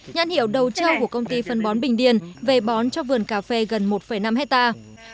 nhãn hiệu đầu châu của công ty phân bón bình điền về bón cho vườn cà phê gần một năm hectare